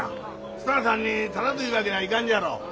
スターさんにタダというわけにはいかんじゃろ。